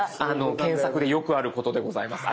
検索でよくあることでございます。